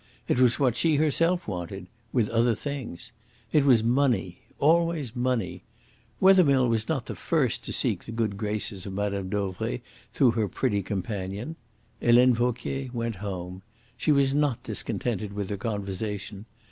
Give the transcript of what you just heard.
It was what she herself wanted with other things. It was money always money. Wethermill was not the first to seek the good graces of Mme. Dauvray through her pretty companion. Helene Vauquier went home. She was not discontented with her conversation.